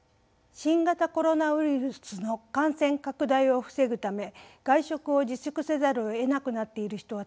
新型コロナウイルスの感染拡大を防ぐため外食を自粛せざるをえなくなっている人はたくさんいると思います。